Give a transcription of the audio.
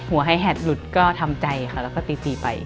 ให้แหดหลุดก็ทำใจค่ะแล้วก็ตี๔ไป